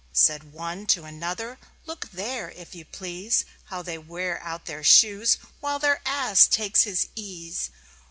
Said one to another: "Look there, if you please, How they wear out their shoes, while their Ass takes his ease.